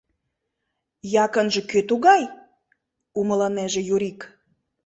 — Якынже кӧ тугай? — умылынеже Юрик.